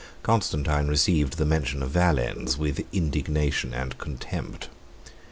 Constantine received the mention of Valens with indignation and contempt.